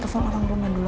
telfon orang rumah dulu